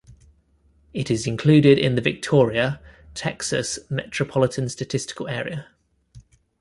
It is included in the Victoria, Texas, Metropolitan Statistical Area.